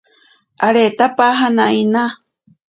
Aretapaja inaa.